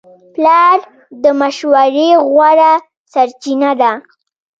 پلار د مشورې غوره سرچینه ده.